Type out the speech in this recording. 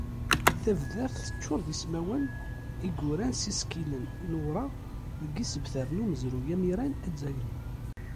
Tabdart teččur d ismawen i yuran s yisekkilen n wureɣ deg yisebtar n umezruy amiran azzayri.